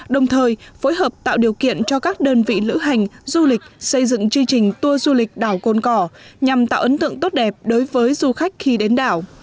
đồng thời phối hợp tạo điều kiện cho các đơn vị lữ hành du lịch xây dựng chương trình tour du lịch đảo cồn cỏ nhằm tạo ấn tượng tốt đẹp đối với du khách khi đến đảo